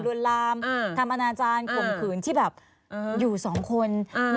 วนลามทำอนาจารย์ข่มขืนที่แบบอยู่สองคน